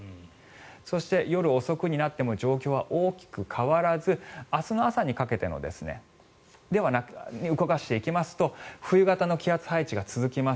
そして、夜遅くになっても状況は大きく変わらず明日の朝にかけて動かしていきますと冬型の気圧配置が続きます。